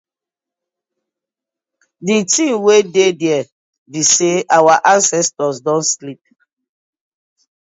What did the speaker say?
Di tin wey dey dere bi say our ancestors don sleep.